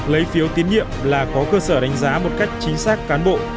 lấy phiếu tín nhiệm là có cơ sở đánh giá một cách chính xác cán bộ